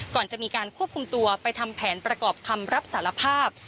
ก่อนจะมีการควบคุมตัวไปทำแผนประกอบคำรับสารภาพ